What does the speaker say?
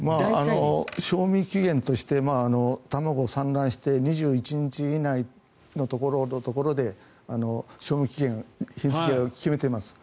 賞味期限として卵を産卵して２１日以内のところで賞味期限、日付を決めてます。